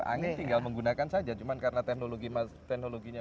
angin tinggal menggunakan saja cuma karena teknologinya